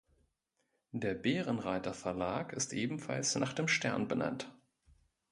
Der Bärenreiter-Verlag ist ebenfalls nach dem Stern benannt.